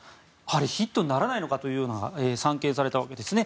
ヒットにならないのかというようなものが散見されたわけですね。